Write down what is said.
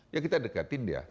ya kita dekatin dia